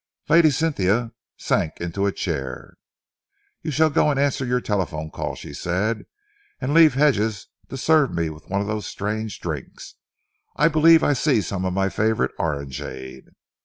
Lady Cynthia sank into a chair. "You shall go and answer your telephone call," she said, "and leave Hedges to serve me with one of these strange drinks. I believe I see some of my favourite orangeade."